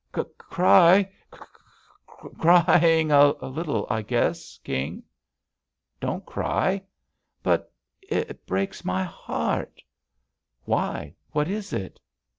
"Cry — cry — crying — a little, I guess. King." "Don't cry." "But it breaks — my heart!" "Why, what is it